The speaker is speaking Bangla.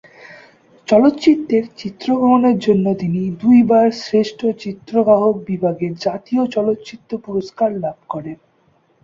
চলচ্চিত্রের চিত্রগ্রহণের জন্য তিনি দুইবার শ্রেষ্ঠ চিত্রগ্রাহক বিভাগে জাতীয় চলচ্চিত্র পুরস্কার লাভ করেন।